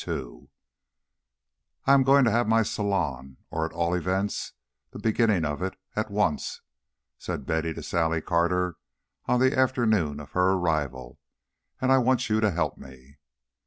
II "I am going to have my salon, or at all events the beginning of it, at once," said Betty to Sally Carter on the afternoon of her arrival, "and I want you to help me."